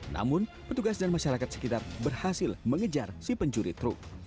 namun petugas dan masyarakat sekitar berhasil mengejar si pencuri truk